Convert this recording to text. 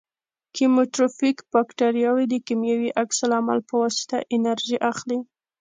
کیموټروفیک باکتریاوې د کیمیاوي عکس العمل په واسطه انرژي اخلي.